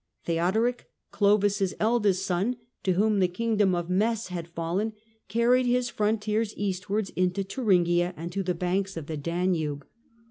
Theodoric, Clovis' eldest son, to whom the kingdom of Metz had fallen, carried his frontiers eastwards intol Thuringia and to the banks of the Danube.